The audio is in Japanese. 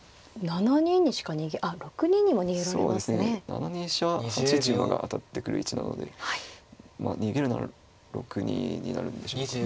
７二飛車は８一馬が当たってくる位置なので逃げるなら６二になるんでしょうか。